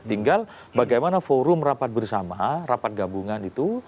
tinggal bagaimana forum rapat bersama rapat gabungan itu